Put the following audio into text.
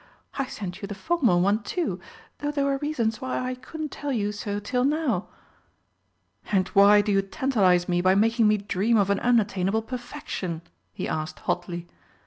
I sent you the former one, too, though there were reasons why I couldn't tell you so till now." "And why do you tantalise me by making me dream of an unattainable perfection?" he asked hotly.